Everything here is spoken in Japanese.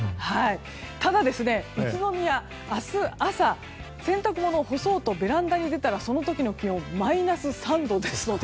ただ、宇都宮は明日朝洗濯物を干そうとベランダに出たらその時の気温はマイナス３度ですので